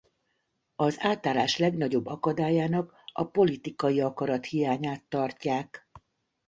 Az átállás legnagyobb akadályának a politikai akarat hiányát tartják.